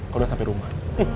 kalo udah sampe rumah